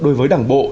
đối với đảng bộ